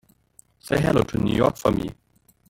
Say hello to New York for me.